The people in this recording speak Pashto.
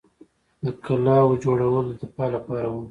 د قلعو جوړول د دفاع لپاره وو